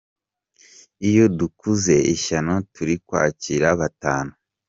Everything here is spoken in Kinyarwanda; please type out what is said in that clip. Iyo dukoze ishyano turi kwakira batanu.